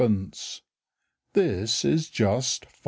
This is just 5s.